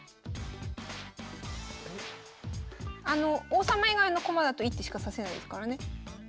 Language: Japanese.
王様以外の駒だと１手しか指せないですからね。